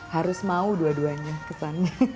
harus mau dua duanya